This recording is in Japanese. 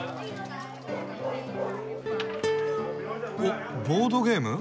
おっボードゲーム？